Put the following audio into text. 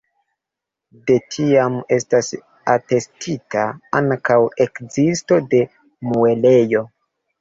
De tiam estas atestita ankaŭ ekzisto de muelejo.